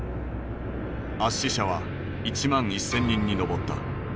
圧死者は１万１，０００人に上った。